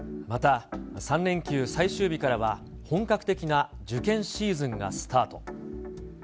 また３連休最終日からは本格的な受験シーズンがスタート。